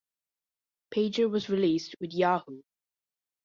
Pager was released, with Yahoo!